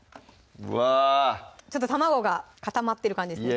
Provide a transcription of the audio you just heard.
うわぁ卵が固まってる感じですね